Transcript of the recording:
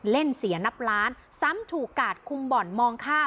เล่นเสียนับล้านซ้ำถูกกาดคุมบ่อนมองข้าม